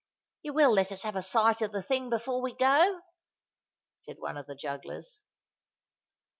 "You will let us have a sight of the thing before we go?" said one of the jugglers.